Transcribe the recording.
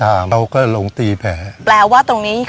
ที่นี่มีพื้นที่ทั้งหมดก็๑๒๐๐๐กว่าไร่